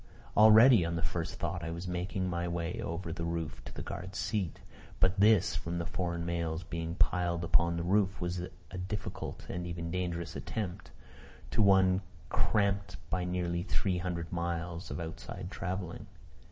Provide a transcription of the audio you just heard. Already, on the first thought, I was making my way over the roof to the guard's seat. But this, from the foreign mails being piled upon the roof, was a difficult, and even dangerous attempt, to one cramped by nearly three hundred miles of outside travelling.